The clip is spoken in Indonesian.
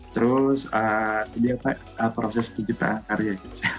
terus ini apa proses penciptaan karya